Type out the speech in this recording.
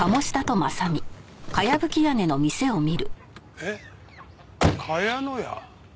えっ「茅の屋」？